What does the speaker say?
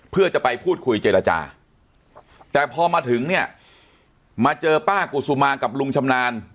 เพื่อจะไปพูดคุยเจรจาแต่พอมาถึงเนี่ยมาเจอป้ากุศุมากับลุงชำนาญ